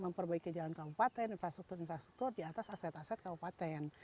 memperbaiki jalan kabupaten infrastruktur infrastruktur di atas aset aset kabupaten